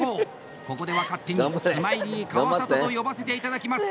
ここでは勝手にスマイリー川里と呼ばせていただきます。